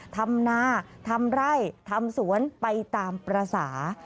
ทำนาทำไร่ทำสวนไปตามภาษา